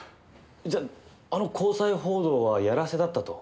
じゃああの交際報道はやらせだったと？